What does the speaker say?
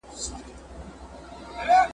پر خپل ځان باندي تاویږو بس په رسم د پرکار ځو ..